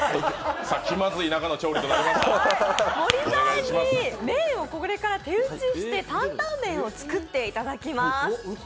今日は森さんに麺をこれから手打ちしていただいて担々麺を作っていただきます。